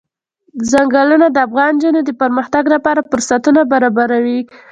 چنګلونه د افغان نجونو د پرمختګ لپاره فرصتونه برابروي.